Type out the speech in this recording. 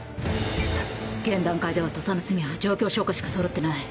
現段階では土佐の罪は状況証拠しかそろってない。